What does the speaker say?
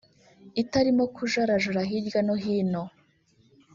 itarimo kujarajara hirya no hino